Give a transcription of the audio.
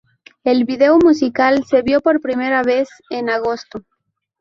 El video musical se vio por primera vez en agosto.